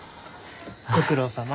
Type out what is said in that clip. ご苦労さま。